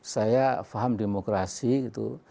saya paham demokrasi gitu